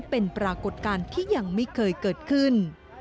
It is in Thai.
เป็นปรากฏการณ์ที่ยังไม่เคยเกิดขึ้น